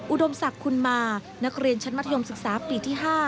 อุดมศักดิ์คุณมานักเรียนชั้นมัธยมศึกษาปีที่๕